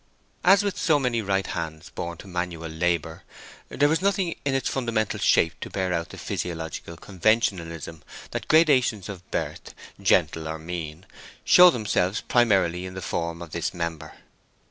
As with so many right hands born to manual labor, there was nothing in its fundamental shape to bear out the physiological conventionalism that gradations of birth, gentle or mean, show themselves primarily in the form of this member.